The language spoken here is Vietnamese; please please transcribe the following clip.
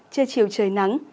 trưa chiều trời nắng